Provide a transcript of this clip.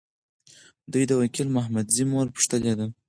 دوی د وکیل محمدزي مور پوښتلي ده.